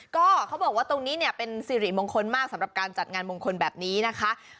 ก็เขาบอกว่าตรงนี้เนี่ยเป็นสิริมงคลมากสำหรับการจัดงานมงคลแบบนี้นะคะ